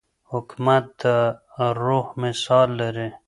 حکومت د روح مثال لري.